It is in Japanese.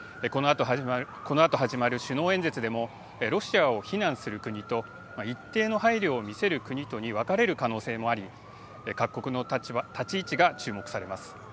このあと始まる首脳演説でもロシアを非難する国と一定の配慮を見せる国とに分かれる可能性もあり各国の立ち位置が注目されます。